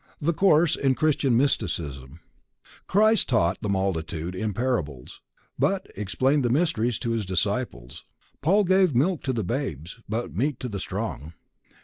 THE COURSE IN CHRISTIAN MYSTICISM Christ taught the multitude in parables, but explained the mysteries to His disciples. Paul gave milk to the babes, but meat to the strong.